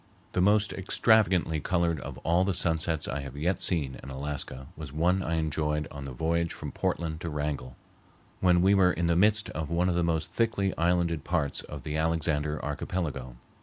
The most extravagantly colored of all the sunsets I have yet seen in Alaska was one I enjoyed on the voyage from Portland to Wrangell, when we were in the midst of one of the most thickly islanded parts of the Alexander Archipelago.